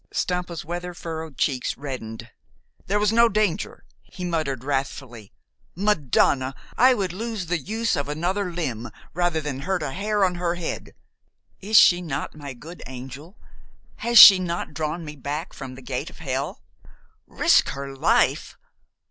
Stampa's weather furrowed cheeks reddened. "There was no danger," he muttered wrathfully. "Madonna! I would lose the use of another limb rather than hurt a hair of her head. Is she not my good angel? Has she not drawn me back from the gate of hell? Risk her life!